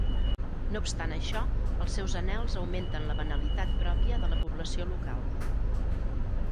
No obstant això, els seus anhels augmenten la banalitat pròpia de la població local.